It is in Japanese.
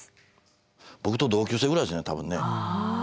僕と同級生ぐらいですね多分ね。